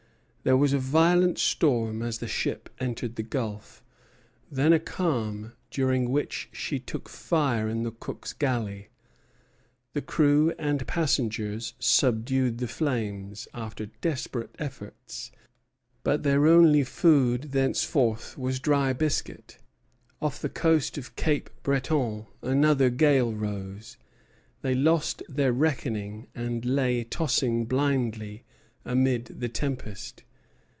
There was a violent storm as the ship entered the Gulf; then a calm, during which she took fire in the cook's galley. The crew and passengers subdued the flames after desperate efforts; but their only food thenceforth was dry biscuit. Off the coast of Cape Breton another gale rose. They lost their reckoning and lay tossing blindly amid the tempest.